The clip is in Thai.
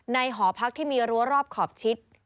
หอพักที่มีรั้วรอบขอบชิด